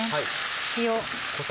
塩。